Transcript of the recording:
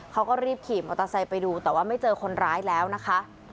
เขาก็รีบขี่มอเตอร์ไซค์ไปดูแต่ว่าไม่เจอคนร้ายแล้วนะคะ